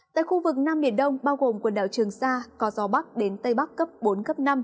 tại khu vực nam biển đông bao gồm quần đảo trường sa có gió bắc đến tây bắc cấp bốn cấp năm